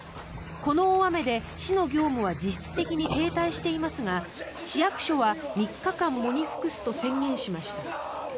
この大雨で市の業務は実質的に停滞していますが市役所は、３日間喪に服すと宣言しました。